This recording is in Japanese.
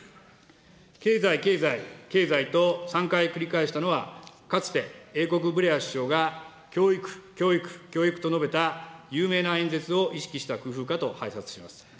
経済、経済、経済と３回繰り返したのは、かつて、英国、ブレア首相が、教育、教育、教育と述べた有名な演説を意識した工夫かと拝察します。